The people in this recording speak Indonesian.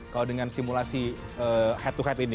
kalau dengan simulasi head to head ini